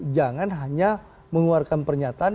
jangan hanya mengeluarkan pernyataan